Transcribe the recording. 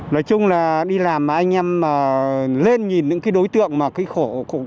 nói chung là đi làm mà anh em lên nhìn những đối tượng mà khổ